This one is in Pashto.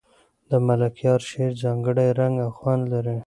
د ملکیار شعر ځانګړی رنګ او خوند لري.